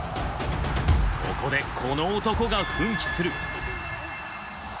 ここでこの男が奮起する。